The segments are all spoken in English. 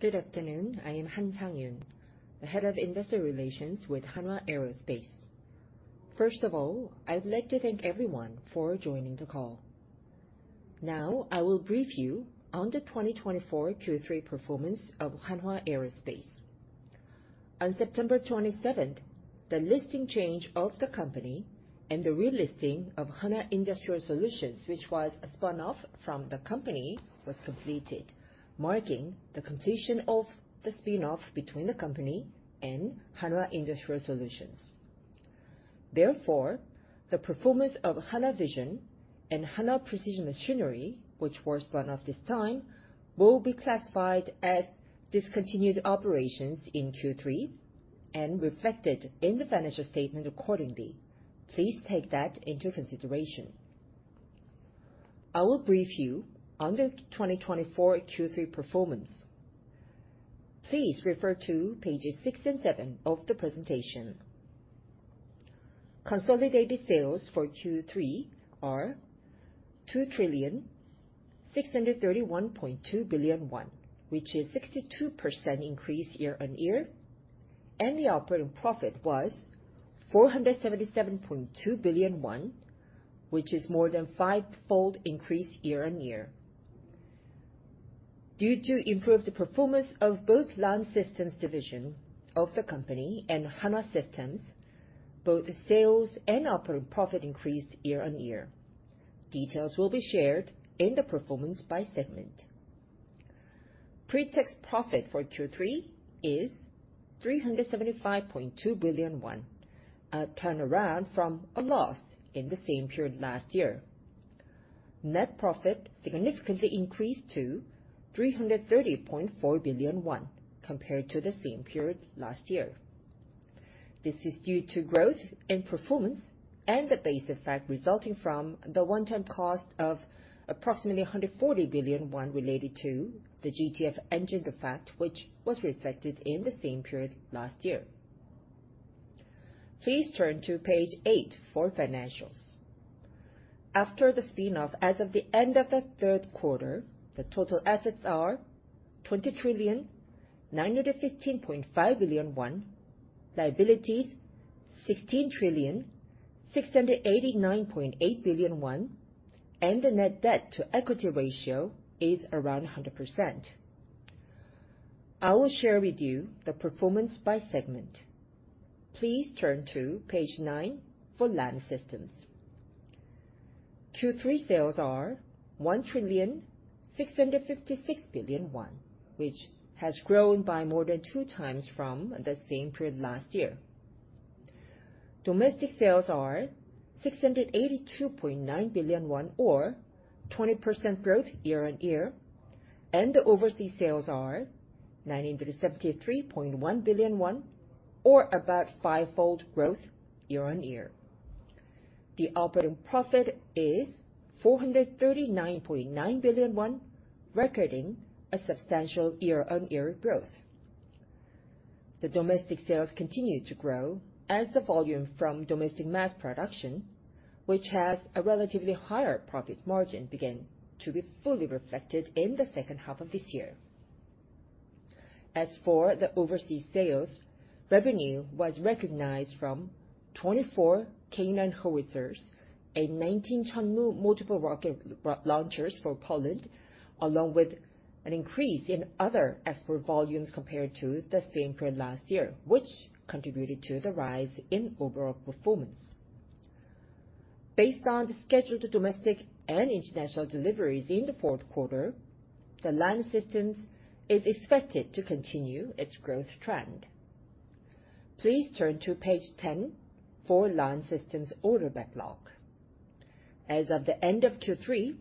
Good afternoon. I am Han Sang-Yun, the head of investor relations with Hanwha Aerospace. First of all, I'd like to thank everyone for joining the call. Now, I will brief you on the 2024 Q3 performance of Hanwha Aerospace. On September 27th, the listing change of the company and the relisting of Hanwha Industrial Solutions, which was a spinoff from the company, was completed, marking the completion of the spinoff between the company and Hanwha Industrial Solutions. Therefore, the performance of Hanwha Vision and Hanwha Precision Machinery, which were spun off this time, will be classified as discontinued operations in Q3 and reflected in the financial statement accordingly. Please take that into consideration. I will brief you on the 2024 Q3 performance. Please refer to pages six and seven of the presentation. Consolidated sales for Q3 are 2 trillion 631.2 billion, which is a 62% increase year-on-year, and the operating profit was 477.2 billion won, which is more than a five-fold increase year-on-year. Due to improved performance of both Land Systems Division of the company and Hanwha Systems, both sales and operating profit increased year-on-year. Details will be shared in the performance by segment. Pretax profit for Q3 is 375.2 billion won, a turnaround from a loss in the same period last year. Net profit significantly increased to 330.4 billion won compared to the same period last year. This is due to growth in performance and the base effect resulting from the one-time cost of approximately 140 billion won related to the GTF engine defect, which was reflected in the same period last year. Please turn to page 8 for financials. After the spinoff, as of the end of the third quarter, the total assets are 20 trillion 915.5 billion, liabilities 16 trillion 689.8 billion, and the net debt-to-equity ratio is around 100%. I will share with you the performance by segment. Please turn to page 9 for Hanwha Systems. Q3 sales are 1 trillion won 656 billion, which has grown by more than two times from the same period last year. Domestic sales are 682.9 billion won, or 20% growth year-on-year, and the overseas sales are 973.1 billion won, or about a five-fold growth year-on-year. The operating profit is 439.9 billion won, recording a substantial year-on-year growth. The domestic sales continue to grow as the volume from domestic mass production, which has a relatively higher profit margin, began to be fully reflected in the second half of this year. As for the overseas sales, revenue was recognized from 24 K9 howitzers and 19 Chunmoo multiple rocket launchers for Poland, along with an increase in other export volumes compared to the same period last year, which contributed to the rise in overall performance. Based on the scheduled domestic and international deliveries in the fourth quarter, Hanwha Systems is expected to continue its growth trend. Please turn to page 10 for Hanwha Systems order backlog. As of the end of Q3,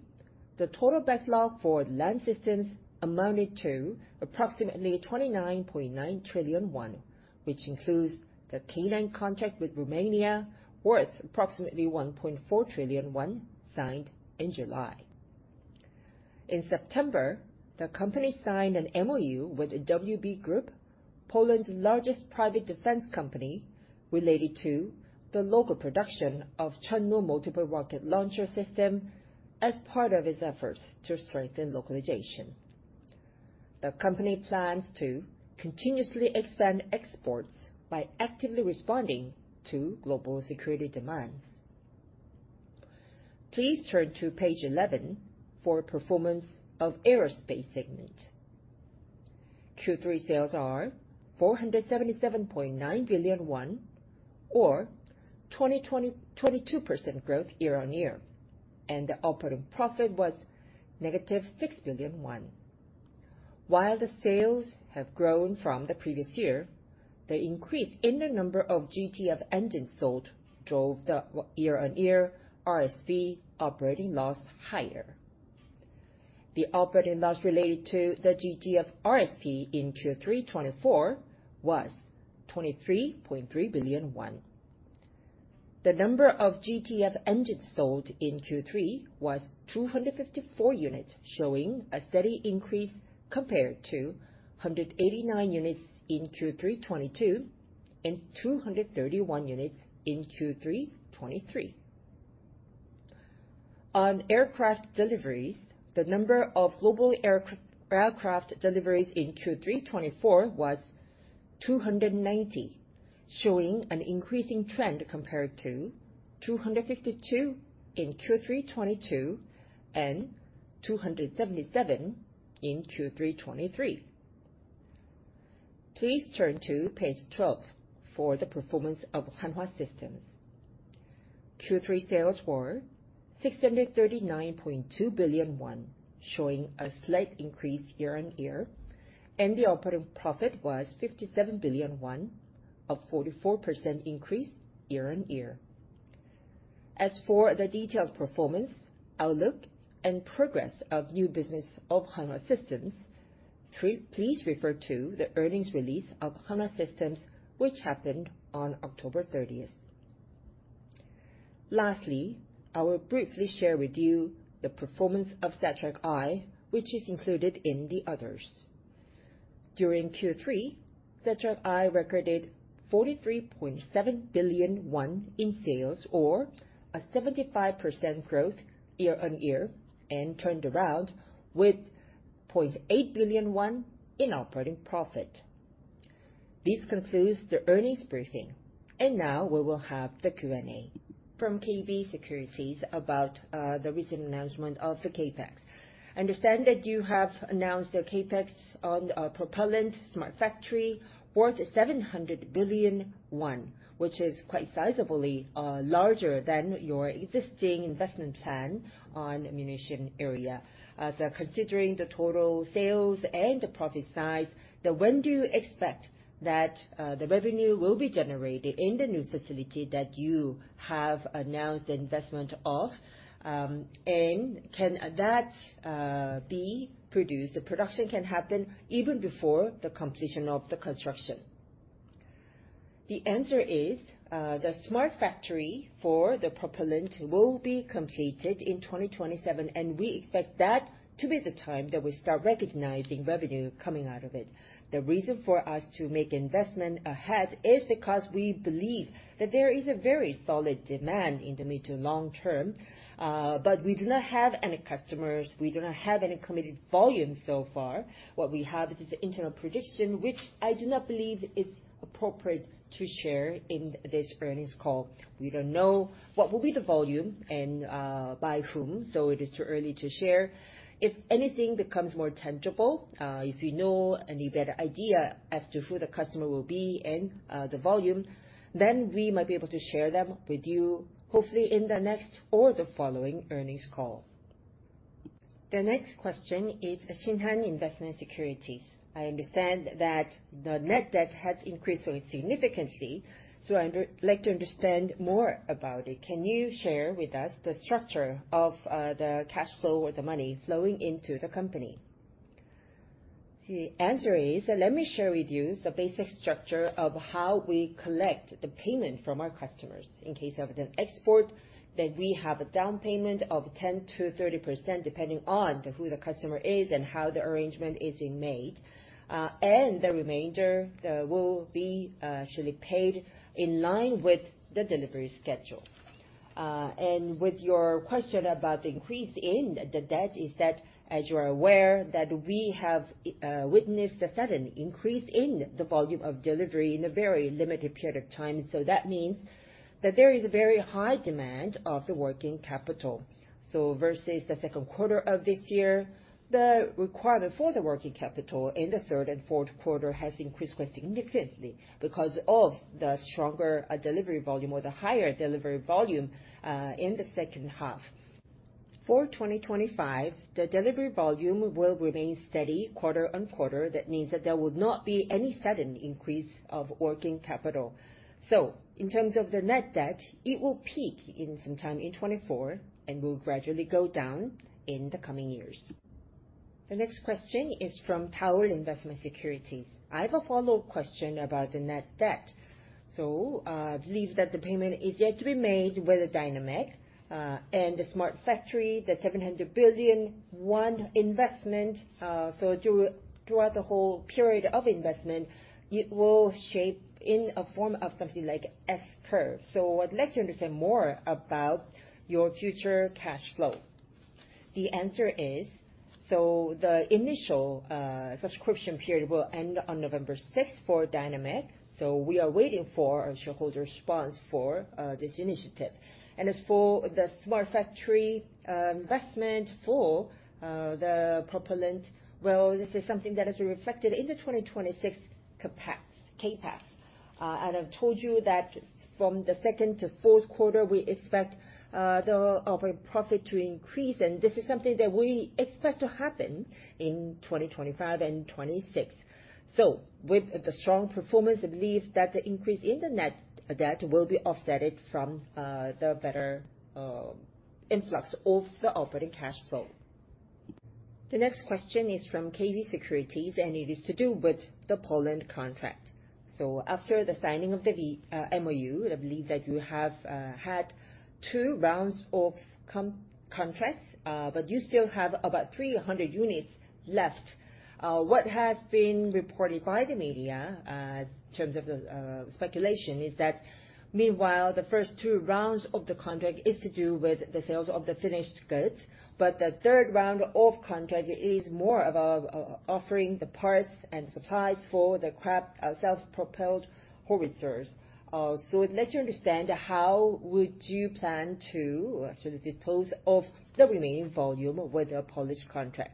the total backlog for Hanwha Systems amounted to approximately 29.9 trillion won, which includes the K9 contract with Romania worth approximately 1.4 trillion won signed in July. In September, the company signed an MOU with the WB Group, Poland's largest private defense company, related to the local production of Chunmoo multiple rocket launcher system as part of its efforts to strengthen localization. The company plans to continuously expand exports by actively responding to global security demands. Please turn to page 11 for performance of aerospace segment. Q3 sales are 477.9 billion won, or 22% growth year-on-year, and the operating profit was negative 6 billion. While the sales have grown from the previous year, the increase in the number of GTF engines sold drove the year-on-year RSP operating loss higher. The operating loss related to the GTF in Q3 2024 was 23.3 billion won. The number of GTF engines sold in Q3 was 254 units, showing a steady increase compared to 189 units in Q3 2022 and 231 units in Q3 2023. On aircraft deliveries, the number of global aircraft deliveries in Q3 2024 was 290, showing an increasing trend compared to 252 in Q3 2022 and 277 in Q3 2023. Please turn to page 12 for the performance of Hanwha Systems. Q3 sales were 639.2 billion won, showing a slight increase year-on-year, and the operating profit was 57 billion won, a 44% increase year-on-year. As for the detailed performance, outlook, and progress of new business of Hanwha Systems, please refer to the earnings release of Hanwha Systems, which happened on October 30th. Lastly, I will briefly share with you the performance of Setrec Eye, which is included in the others. During Q3, Setrec Eye recorded 43.7 billion won in sales, or a 75% growth year-on-year, and turned around with 0.8 billion won in operating profit. This concludes the earnings briefing, and now we will have the Q&A. From KB Securities about the recent announcement of the CapEx. I understand that you have announced the CapEx on Propellant Smart Factory worth 700 billion won, which is quite sizably larger than your existing investment plan on the munition area. Considering the total sales and the profit size, when do you expect that the revenue will be generated in the new facility that you have announced the investment of, and can that be produced? The production can happen even before the completion of the construction. The answer is the Smart Factory for the propellant will be completed in 2027, and we expect that to be the time that we start recognizing revenue coming out of it. The reason for us to make investment ahead is because we believe that there is a very solid demand in the mid to long term, but we do not have any customers. We do not have any committed volume so far. What we have is an internal prediction, which I do not believe is appropriate to share in this earnings call. We don't know what will be the volume and by whom, so it is too early to share. If anything becomes more tangible, if you know any better idea as to who the customer will be and the volume, then we might be able to share them with you, hopefully in the next or the following earnings call. The next question is Shinhan Investment Securities. I understand that the net debt has increased significantly, so I'd like to understand more about it. Can you share with us the structure of the cash flow or the money flowing into the company? The answer is, let me share with you the basic structure of how we collect the payment from our customers. In case of an export, then we have a down payment of 10%-30% depending on who the customer is and how the arrangement is made, and the remainder will be actually paid in line with the delivery schedule, and with your question about the increase in the debt, is that, as you are aware, that we have witnessed a sudden increase in the volume of delivery in a very limited period of time, so that means that there is a very high demand of the working capital, so versus the second quarter of this year, the requirement for the working capital in the third and fourth quarter has increased quite significantly because of the stronger delivery volume or the higher delivery volume in the second half. For 2025, the delivery volume will remain steady quarter on quarter. That means that there will not be any sudden increase of working capital. So in terms of the net debt, it will peak in some time in 2024 and will gradually go down in the coming years. The next question is from Daol Investment & Securities. I have a follow-up question about the net debt. So I believe that the payment is yet to be made with a Dynamic, and the Smart Factory, the 700 billion won investment, so throughout the whole period of investment, it will shape in a form of something like an S curve. So I'd like to understand more about your future cash flow. The answer is, so the initial subscription period will end on November 6th for Dynamic, so we are waiting for our shareholder response for this initiative. As for the Smart Factory investment for the propellant, well, this is something that is reflected in the 2026 CapEx. I've told you that from the second to fourth quarter, we expect the operating profit to increase, and this is something that we expect to happen in 2025 and 2026. With the strong performance, I believe that the increase in the net debt will be offset from the better influx of the operating cash flow. The next question is from KB Securities, and it is to do with the Poland contract. After the signing of the MOU, I believe that you have had two rounds of contracts, but you still have about 300 units left. What has been reported by the media in terms of the speculation is that, meanwhile, the first two rounds of the contract are to do with the sales of the finished goods, but the third round of contract is more about offering the parts and supplies for the K9 self-propelled howitzers. So I'd like to understand how would you plan to actually dispose of the remaining volume with the Polish contract?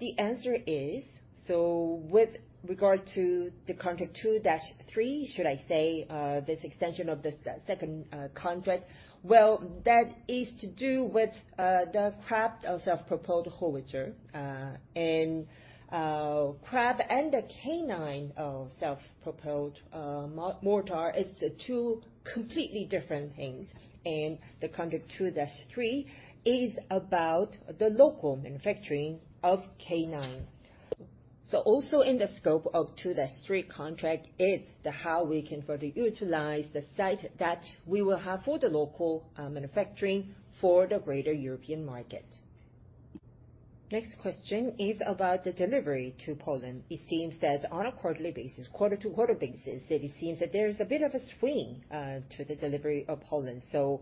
The answer is, so with regard to the contract 2-3. Should I say this extension of the second contract? Well, that is to do with the K9 self-propelled howitzer, and K9 and the K9 self-propelled howitzer are two completely different things, and the contract 2-3 is about the local manufacturing of K9. So, also in the scope of 2-3 contract is how we can further utilize the site that we will have for the local manufacturing for the greater European market. Next question is about the delivery to Poland. It seems that on a quarterly basis, quarter to quarter basis, it seems that there is a bit of a swing to the delivery of Poland. So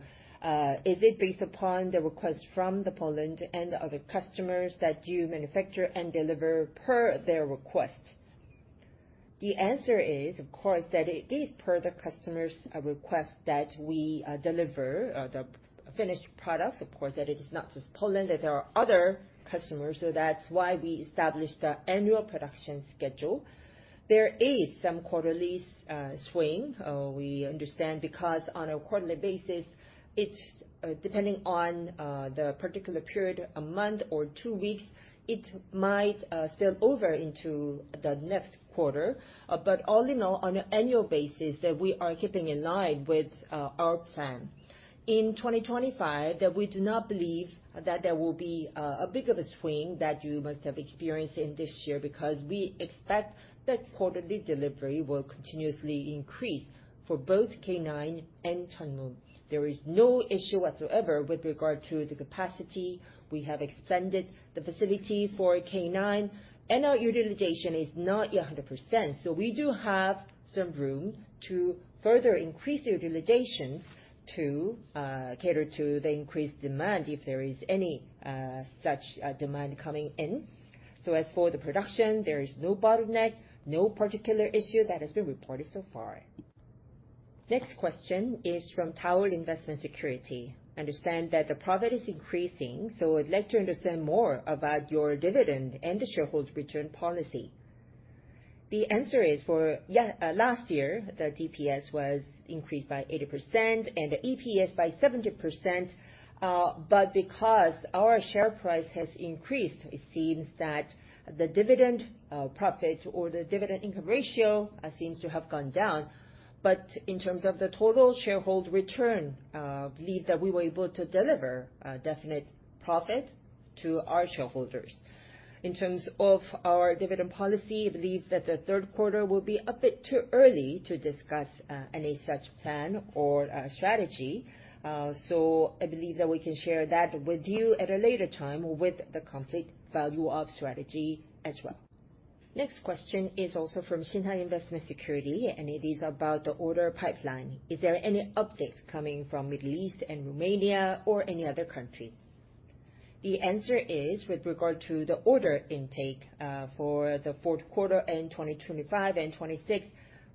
is it based upon the request from the Poland and other customers that you manufacture and deliver per their request? The answer is, of course, that it is per the customer's request that we deliver the finished products. Of course, that it is not just Poland, that there are other customers, so that's why we established the annual production schedule. There is some quarterly swing, we understand, because on a quarterly basis, depending on the particular period, a month or two weeks, it might spill over into the next quarter, but all in all, on an annual basis, we are keeping in line with our plan. In 2025, we do not believe that there will be as big of a swing that you must have experienced in this year because we expect that quarterly delivery will continuously increase for both K9 and Chunmoo. There is no issue whatsoever with regard to the capacity. We have expanded the facility for K9, and our utilization is not 100%, so we do have some room to further increase the utilizations to cater to the increased demand if there is any such demand coming in. So as for the production, there is no bottleneck, no particular issue that has been reported so far. Next question is from Daol Investment & Securities. I understand that the profit is increasing, so I'd like to understand more about your dividend and the shareholder return policy. The answer is, for last year, the DPS was increased by 80% and the EPS by 70%, but because our share price has increased, it seems that the dividend profit or the dividend income ratio seems to have gone down. But in terms of the total shareholder return, I believe that we were able to deliver a definite profit to our shareholders. In terms of our dividend policy, I believe that the third quarter will be a bit too early to discuss any such plan or strategy, so I believe that we can share that with you at a later time with the complete value of strategy as well. Next question is also from Shinhan Investment Securities, and it is about the order pipeline. Is there any updates coming from Middle East and Romania or any other country? The answer is, with regard to the order intake for the fourth quarter in 2025 and 2026,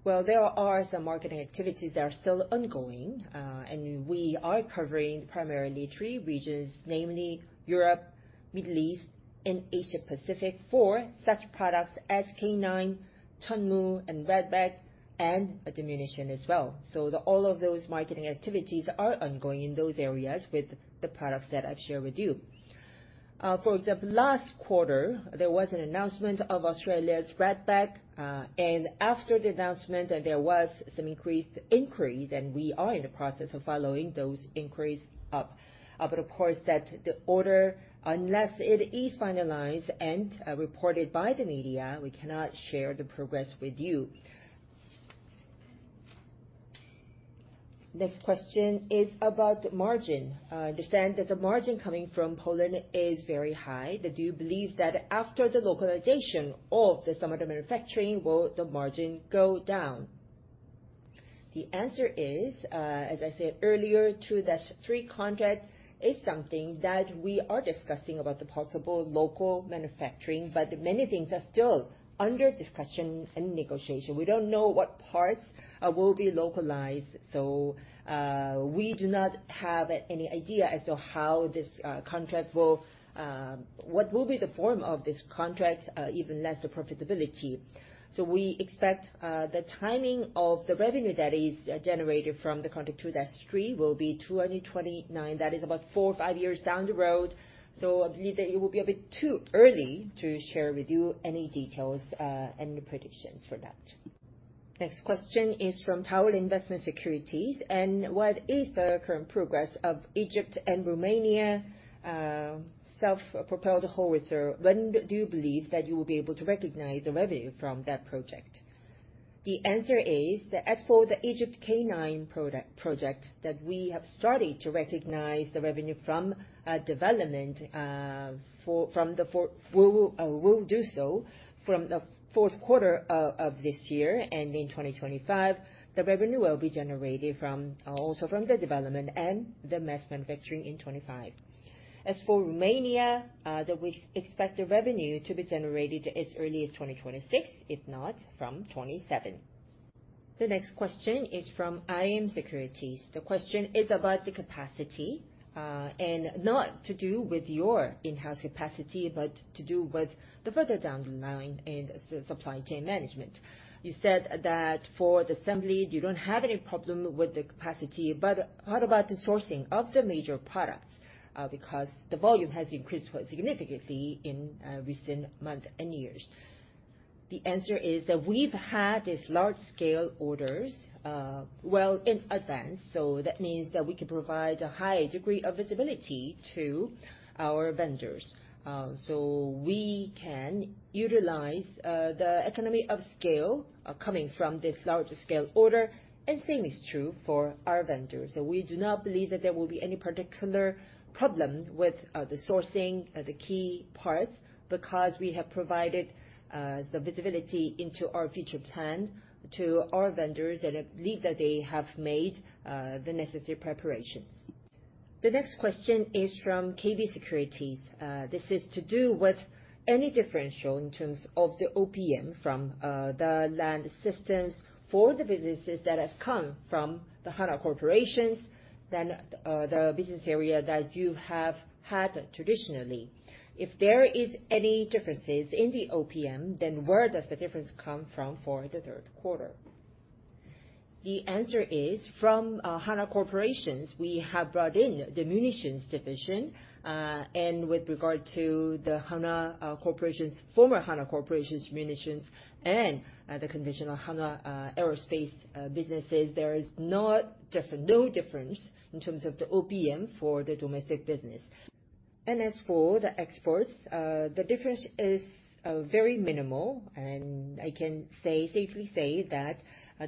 well, there are some marketing activities that are still ongoing, and we are covering primarily three regions, namely Europe, Middle East, and Asia-Pacific for such products as K9, Chunmoo, and Redback, and the munition as well. So all of those marketing activities are ongoing in those areas with the products that I've shared with you. For example, last quarter, there was an announcement of Australia's Redback, and after the announcement, there was some increased inquiries, and we are in the process of following those inquiries up. But of course, that the order, unless it is finalized and reported by the media, we cannot share the progress with you. Next question is about the margin. I understand that the margin coming from Poland is very high. Do you believe that after the localization of the some manufacturing, will the margin go down? The answer is, as I said earlier, 2-3 contract is something that we are discussing about the possible local manufacturing, but many things are still under discussion and negotiation. We don't know what parts will be localized, so we do not have any idea as to how this contract will, what will be the form of this contract, even less the profitability, so we expect the timing of the revenue that is generated from the contract 2-3 will be 2029. That is about four or five years down the road, so I believe that it will be a bit too early to share with you any details and predictions for that. Next question is from Daol Investment & Securities, and what is the current progress of Egypt and Romania self-propelled howitzer? When do you believe that you will be able to recognize the revenue from that project? The answer is that as for the Egypt K9 project that we have started to recognize the revenue from development, we will do so from the fourth quarter of this year, and in 2025, the revenue will be generated also from the development and the mass manufacturing in 2025. As for Romania, we expect the revenue to be generated as early as 2026, if not from 2027. The next question is from iM Securities. The question is about the capacity, and not to do with your in-house capacity, but to do with the further down the line and the supply chain management. You said that for the assembly, you don't have any problem with the capacity, but what about the sourcing of the major products? Because the volume has increased significantly in recent months and years. The answer is that we've had these large-scale orders, well, in advance, so that means that we can provide a high degree of visibility to our vendors. So we can utilize the economy of scale coming from this larger scale order, and same is true for our vendors. We do not believe that there will be any particular problem with the sourcing, the key parts, because we have provided the visibility into our future plan to our vendors, and I believe that they have made the necessary preparations. The next question is from KB Securities. This is to do with any differential in terms of the OPM from the land systems for the businesses that have come from the Hanwha Corporation, then the business area that you have had traditionally. If there are any differences in the OPM, then where does the difference come from for the third quarter? The answer is from Hanwha Corporation. We have brought in the munitions division, and with regard to the Hanwha Corporation's former munitions and the conventional Hanwha Aerospace businesses, there is no difference in terms of the OPM for the domestic business. As for the exports, the difference is very minimal, and I can safely say that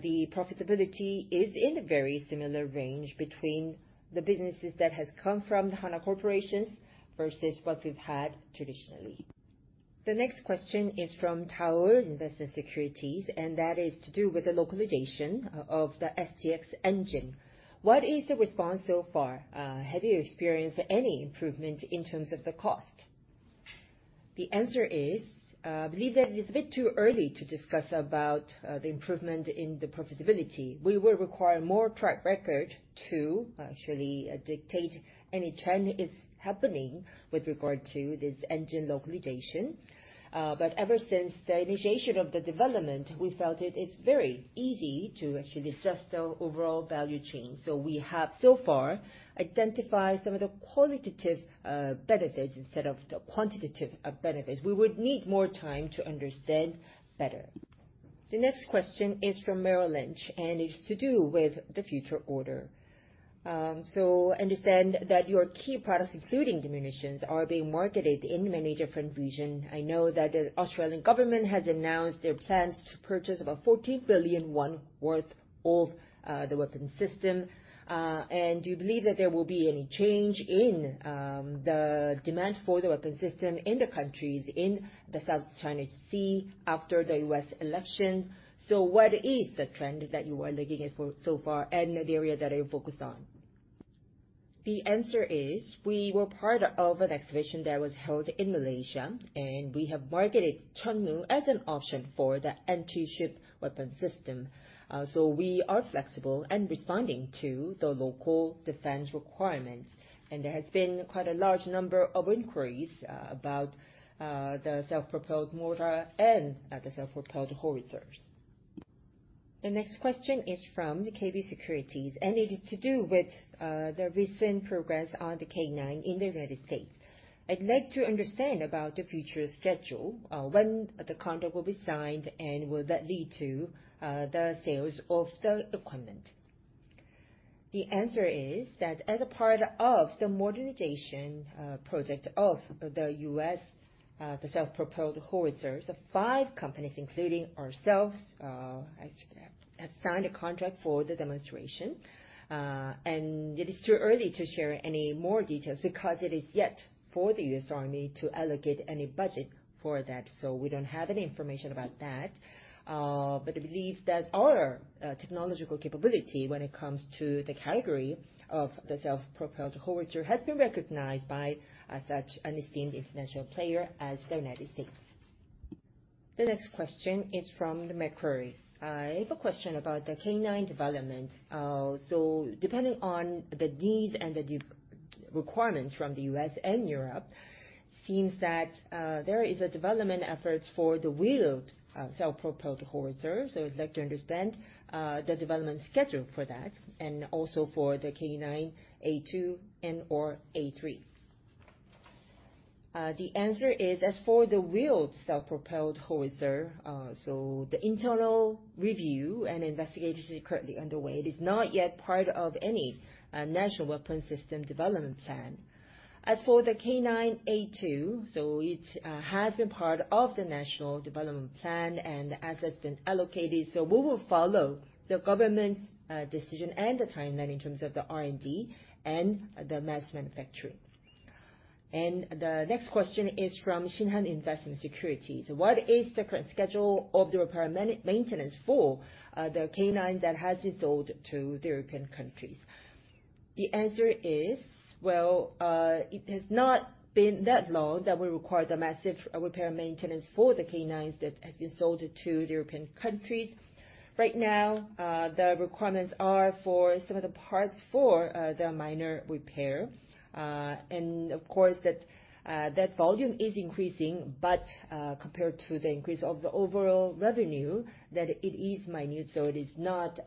the profitability is in a very similar range between the businesses that have come from Hanwha Corporation versus what we've had traditionally. The next question is from Daol Investment & Securities, and that is to do with the localization of the STX Engine. What is the response so far? Have you experienced any improvement in terms of the cost? The answer is, I believe that it is a bit too early to discuss about the improvement in the profitability. We will require more track record to actually dictate any trend that is happening with regard to this engine localization. But ever since the initiation of the development, we felt it is very easy to actually adjust the overall value chain. So we have so far identified some of the qualitative benefits instead of the quantitative benefits. We would need more time to understand better. The next question is from Merrill Lynch, and it is to do with the future order. So I understand that your key products, including the munitions, are being marketed in many different regions. I know that the Australian government has announced their plans to purchase about 14 billion won worth of the weapon system. And do you believe that there will be any change in the demand for the weapon system in the countries in the South China Sea after the U.S. election? So what is the trend that you are looking at so far and the area that I focus on? The answer is we were part of an exhibition that was held in Malaysia, and we have marketed Chunmoo as an option for the anti-ship weapon system. So we are flexible and responding to the local defense requirements, and there has been quite a large number of inquiries about the self-propelled mortar and the self-propelled howitzers. The next question is from KB Securities, and it is to do with the recent progress on the K9 in the United States. I'd like to understand about the future schedule. When the contract will be signed, and will that lead to the sales of the equipment? The answer is that as a part of the modernization project of the U.S., the self-propelled howitzers, five companies, including ourselves, have signed a contract for the demonstration, and it is too early to share any more details because it is yet for the U.S. Army to allocate any budget for that, so we don't have any information about that. But I believe that our technological capability when it comes to the category of the self-propelled howitzer has been recognized by such an esteemed international player as the United States. The next question is from Macquarie. I have a question about the K9 development. So depending on the needs and the requirements from the U.S. and Europe, it seems that there are development efforts for the wheeled self-propelled howitzer, so I'd like to understand the development schedule for that and also for the K9A2 and/or K9A3. The answer is as for the wheeled self-propelled howitzer, so the internal review and investigation is currently underway. It is not yet part of any national weapon system development plan. As for the K9A2, so it has been part of the national development plan, and as it's been allocated, so we will follow the government's decision and the timeline in terms of the R&D and the mass manufacturing, and the next question is from Shinhan Investment Securities. What is the current schedule of the repair maintenance for the K9 that has been sold to the European countries? The answer is, well, it has not been that long that we require the massive repair maintenance for the K9s that have been sold to the European countries. Right now, the requirements are for some of the parts for the minor repair, and of course, that volume is increasing, but compared to the increase of the overall revenue, that it is minute, so it does not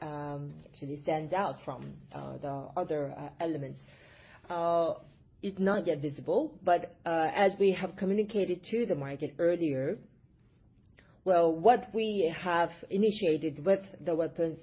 actually stand out from the other elements. It's not yet visible, but as we have communicated to the market earlier, well, what we have initiated with the weapons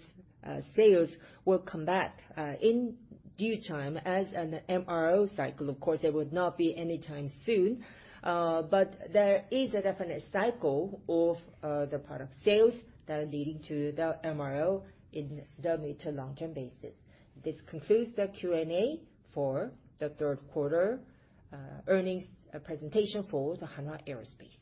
sales will come back in due time as an MRO cycle. Of course, there would not be any time soon, but there is a definite cycle of the product sales that are leading to the MRO in the mid to long-term basis. This concludes the Q&A for the third quarter earnings presentation for the Hanwha Aerospace.